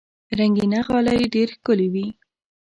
رنګینه غالۍ ډېر ښکلي وي.